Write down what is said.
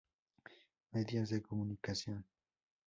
Medios de Comunicación.